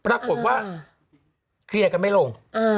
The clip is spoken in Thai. ปรากฏว่าเคลียร์กันไม่ลง